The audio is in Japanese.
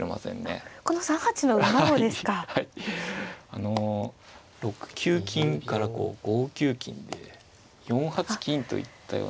あの６九金からこう５九金で４八金といったような。